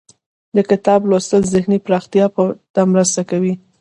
د کتاب لوستل ذهني پراختیا ته مرسته کوي.